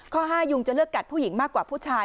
ข้อ๕ยุงจะเลือกกัดผู้หญิงมากกว่าผู้ชาย